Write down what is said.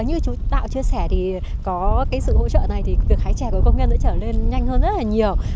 như chú đạo chia sẻ thì có cái sự hỗ trợ này thì việc hái trà của công nhân sẽ trở nên nhanh hơn rất là nhiều